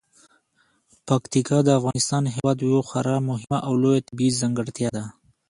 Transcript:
پکتیکا د افغانستان هیواد یوه خورا مهمه او لویه طبیعي ځانګړتیا ده.